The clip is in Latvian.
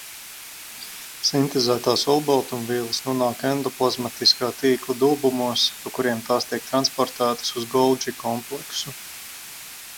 Sintezētās olbaltumvielas nonāk endoplazmatiskā tīkla dobumos, pa kuriem tās tiek transportētas uz Goldži kompleksu.